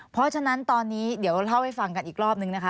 เพราะฉะนั้นตอนนี้เดี๋ยวเล่าให้ฟังกันอีกรอบนึงนะคะ